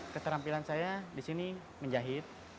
keterampilan saya disini menjahit